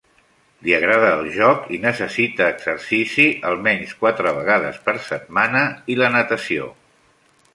Li agrada el joc i necessita exercici, almenys quatre vegades per setmana, i la natació.